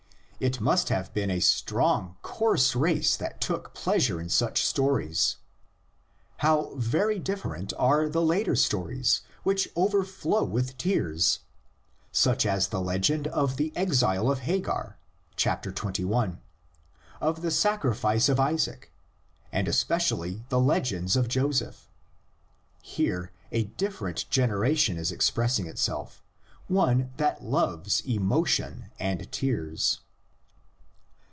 it must have been a strong, coarse race that took pleasure in such stories. How very different are the later stories which overflow with tears, such as the legend of the exile of Hagar (xxi.), of the sacrifice of Isaac, and especially the legends of Joseph! Here a different generation is expressing itself, one that loves emo tion and tears.